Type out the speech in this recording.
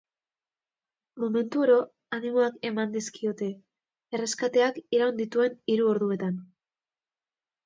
Momentuoro animoak eman dizkiote, erreskateak iraun dituen hiru orduetan.